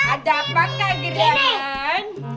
ada fakta gitu kan